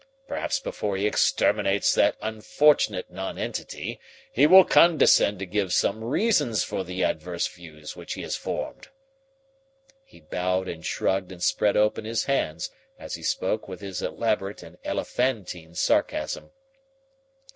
Perhaps before he exterminates that unfortunate nonentity he will condescend to give some reasons for the adverse views which he has formed." He bowed and shrugged and spread open his hands as he spoke with his elaborate and elephantine sarcasm.